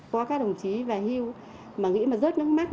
có các đồng chí về hưu mà nghĩ là rớt nước mắt